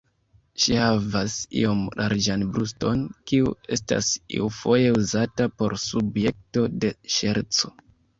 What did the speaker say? Ŝi havas iom larĝan bruston, kiu estas iufoje uzata por subjekto de ŝerco.